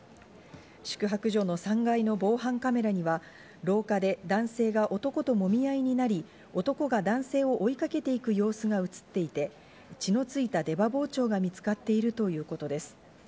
宿泊所の３階の防犯カメラには、廊下で男性が男ともみ合いになり、男が男性を追いかけていく様子が映っていて、血のついた出刃包丁が見つかっているということです。